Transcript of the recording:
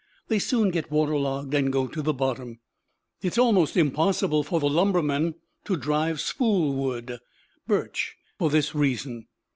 They soon get waterlogged and go to the bottom. It is almost impossible for lumbermen to drive spool wood (birch) for this reason.